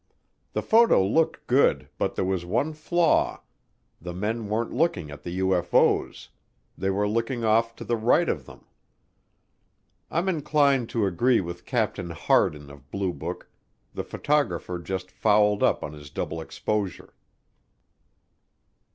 The photo looked good, but there was one flaw, the men weren't looking at the UFO's; they were looking off to the right of them. I'm inclined to agree with Captain Hardin of Blue Book the photographer just fouled up on his double exposure.